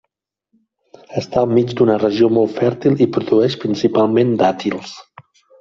Està al mig d'una regió molt fèrtil i produeix principalment dàtils.